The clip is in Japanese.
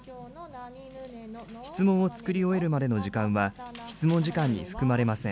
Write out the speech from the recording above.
質問を作り終えるまでの時間は、質問時間に含まれません。